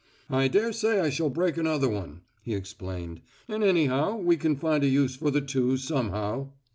"I daresay I shall break another one," he explained, "and anyhow we can find a use for the two somehow."